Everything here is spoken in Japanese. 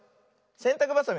せんたくばさみをさ